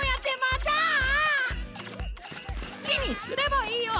すきにすればいいよ！